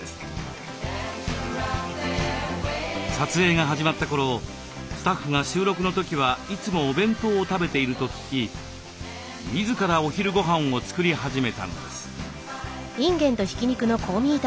撮影が始まった頃スタッフが収録の時はいつもお弁当を食べていると聞き自らお昼ごはんを作り始めたのです。